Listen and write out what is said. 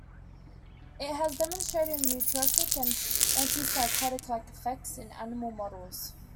It has demonstrated nootropic and antipsychotic-like effects in animal models.